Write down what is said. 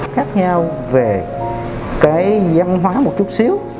khác nhau về cái văn hóa một chút xíu